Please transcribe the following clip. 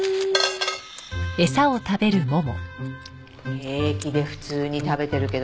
平気で普通に食べてるけど。